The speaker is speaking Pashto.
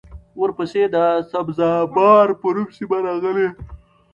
ورپسې د سبزه بار په نوم سیمه راغلې